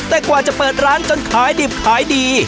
แต่กว่าจะเปิดร้านจนขายดิบขายดี